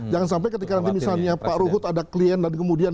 jangan sampai misalnya pak rohut ada klien